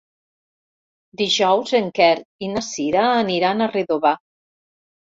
Dijous en Quer i na Sira aniran a Redovà.